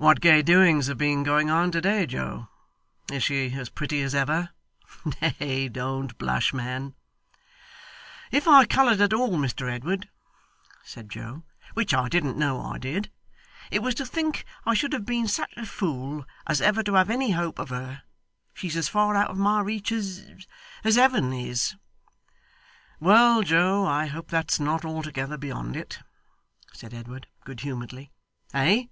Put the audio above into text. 'What gay doings have been going on to day, Joe? Is she as pretty as ever? Nay, don't blush, man.' 'If I coloured at all, Mr Edward,' said Joe, 'which I didn't know I did, it was to think I should have been such a fool as ever to have any hope of her. She's as far out of my reach as as Heaven is.' 'Well, Joe, I hope that's not altogether beyond it,' said Edward, good humouredly. 'Eh?